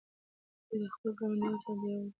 دوی د خپلو ګاونډیانو سره د یووالي پیغام خپروي.